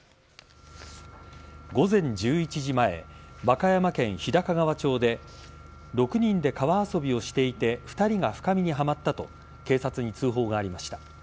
午前１１時前和歌山県日高川町で６人で川遊びをしていて２人が深みにはまったと警察に通報がありました。